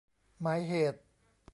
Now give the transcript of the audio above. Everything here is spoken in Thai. หมายเหตุ